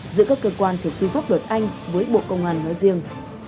giữa các cơ quan thực thi pháp luật anh với bộ công an nói riêng